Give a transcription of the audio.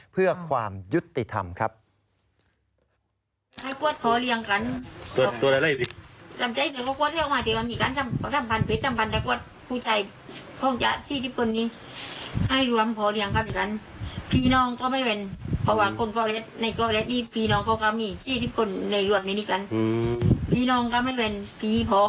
เพื่อความยุติธรรมครับ